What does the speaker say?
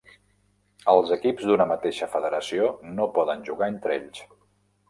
Els equips d'una mateixa federació no poden jugar entre ells.